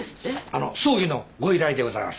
あの葬儀のご依頼でございます。